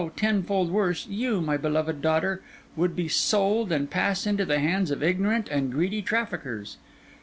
tenfold worse, you, my beloved daughter, would be sold and pass into the hands of ignorant and greedy traffickers.